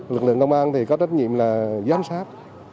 lực lượng công an thì có trách nhiệm là giám sát